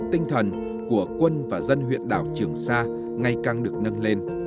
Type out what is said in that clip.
tinh thần của quân và dân huyện đảo trường sa ngày càng được nâng lên